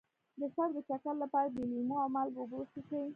د سر د چکر لپاره د لیمو او مالګې اوبه وڅښئ